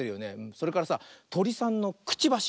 それからさトリさんのくちばし。